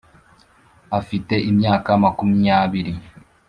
afite imyaka makumyabiri